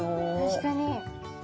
確かに。